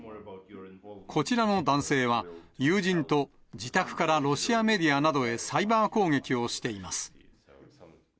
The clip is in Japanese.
こちらの男性は、友人と自宅からロシアメディアなどへサイバー攻撃をしています。